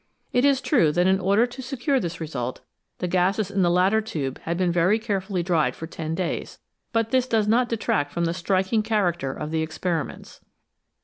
It is true that in order to secure this result the gases in the latter tube had been very carefully dried for ten days, but this does not detract from the striking character of the experiments.